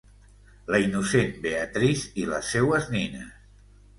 La innocent Beatrice i les seues nines...